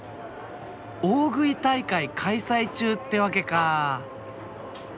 大食い大会開催中ってわけか。